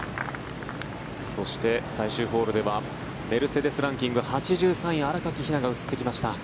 そして、最終ホールではメルセデス・ランキング８３位の新垣比菜が映ってきました。